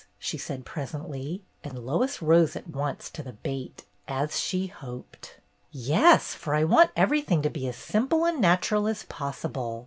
she said presently, and Lois rose at once to the bait, as she hoped. "Yes, for I want everything to be as simple and natural as possible.